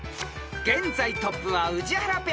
［現在トップは宇治原ペア］